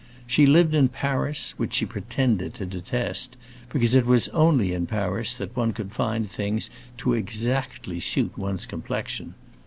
She lived in Paris, which she pretended to detest, because it was only in Paris that one could find things to exactly suit one's complexion.